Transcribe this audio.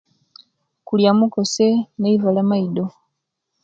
Kulya mukose neyiva lya'maido